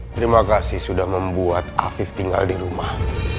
terima kasih sudah membuat afif tinggal di rumah